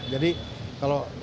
jadi kalau selama ini kan